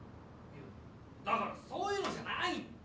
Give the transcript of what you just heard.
だからそういうのじゃないって！